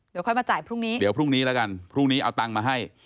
เดี๋ยวค่อยมาจ่ายพรุ่งนี้เดี๋ยวพรุ่งนี้แล้วกันพรุ่งนี้เอาตังค์มาให้